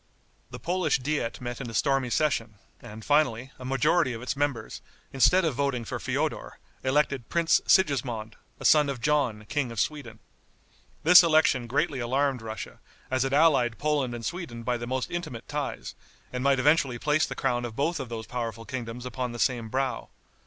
The Polish diet met in a stormy session, and finally, a majority of its members, instead of voting for Feodor, elected Prince Sigismond, a son of John, King of Sweden. This election greatly alarmed Russia, as it allied Poland and Sweden by the most intimate ties, and might eventually place the crown of both of those powerful kingdoms upon the same brow.